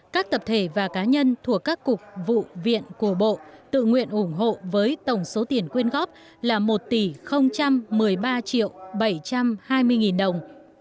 các tập thể và cá nhân thuộc các cục vụ viện cổ bộ tự nguyện ủng hộ với tổng số tiền quyên góp là một một mươi ba bảy trăm hai mươi đồng